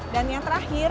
dan yang terakhir